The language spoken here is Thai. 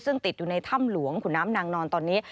ซึ่งติดอยู่ในถ้ำหลวงขุนน้ำนางนอนตอนนี้